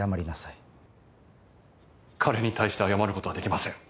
彼に対して謝る事はできません。